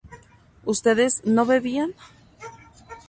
¿ustedes no bebían?